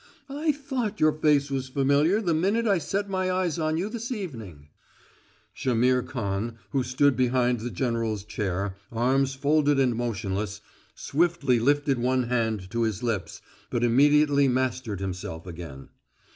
I thought your face was familiar the minute I set my eyes on you this evening." Jaimihr Khan, who stood behind the general's chair, arms folded and motionless, swiftly lifted one hand to his lips, but immediately mastered himself again.